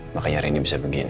makanya reni bisa begini